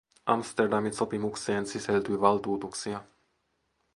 Amsterdamin sopimukseen sisältyy valtuutuksia.